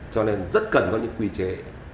cho nên rất cần có những quy chế